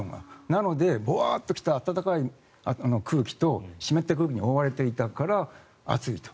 なのでぼわーっと来た暖かい空気と湿った空気に覆われていたから暑いと。